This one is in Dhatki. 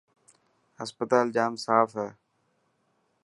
هسپتال ڄام صاف هي.